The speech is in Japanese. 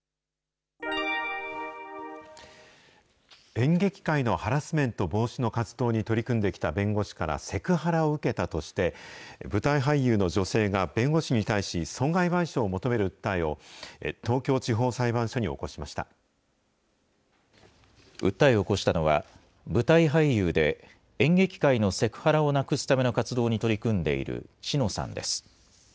演劇界のハラスメント防止の活動に取り組んできた弁護士からセクハラを受けたとして、舞台俳優の女性が弁護士に対し、損害賠償を求める訴えを、訴えを起こしたのは、舞台俳優で、演劇界のセクハラをなくすための活動に取り組んでいる知乃さんです。